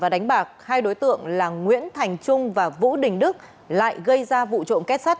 đánh bạc hai đối tượng là nguyễn thành trung và vũ đình đức lại gây ra vụ trộm kết sắt